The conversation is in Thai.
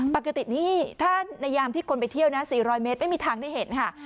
ปกตินี่ถ้าในยามที่คนไปเที่ยวนะ๔๐๐เมตรไม่มีทางได้เห็นค่ะ